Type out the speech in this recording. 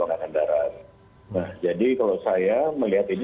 nah jadi kalau saya melihat ini